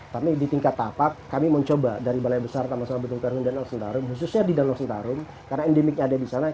tapi di tingkat tapak kami mencoba dari balai besar tamasama betulga ruhin dan menang sentarung khususnya di danau sentarung karena endemiknya ada di sana